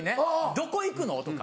「どこ行くの？」とか。